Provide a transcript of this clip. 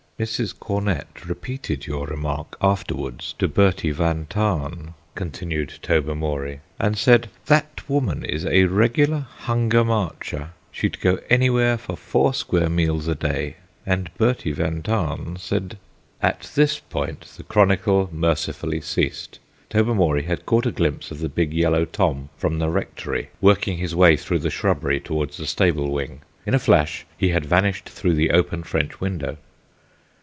"Mrs. Cornett repeated your remark afterwards to Bertie van Tahn," continued Tobermory, "and said, 'That woman is a regular Hunger Marcher; she'd go anywhere for four square meals a day,' and Bertie van Tahn said " At this point the chronicle mercifully ceased. Tobermory had caught a glimpse of the big yellow Tom from the Rectory working his way through the shrubbery towards the stable wing. In a flash he had vanished through the open French window.